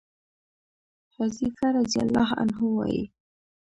حذيفه رضي الله عنه وايي: